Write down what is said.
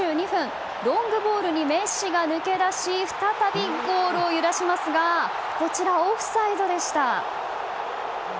ロングボールにメッシが抜け出し再びゴールを揺らしますがこちら、オフサイドでした。